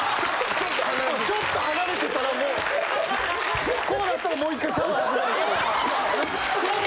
ちょっと離れてたらもうこうなったらもう１回シャワー浴びないと。